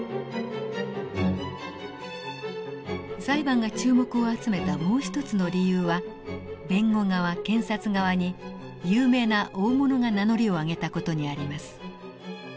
裁判が注目を集めたもう一つの理由は弁護側検察側に有名な大物が名乗りを上げた事にあります。